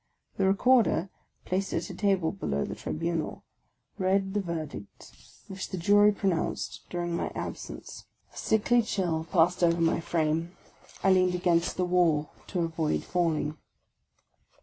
The Recorder, placed at a table below the Tribunal, rend the verdict, which the Jury pronounced during my absence. 44 THE LAST DAY A sickly chill passed over my frame; I leaned against the wall to avoid falling.